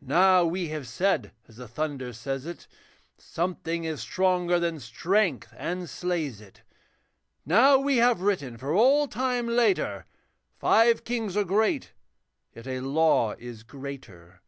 Now we have said as the thunder says it, Something is stronger than strength and slays it. Now we have written for all time later, Five kings are great, yet a law is greater.